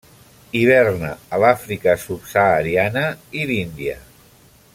Hiverna a l'Àfrica subsahariana i l'Índia.